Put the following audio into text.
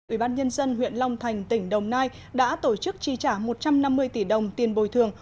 ủy ban nhân dân huyện long thành tỉnh đồng nai đã tổ chức chi trả một trăm năm mươi tỷ đồng tiền bồi thường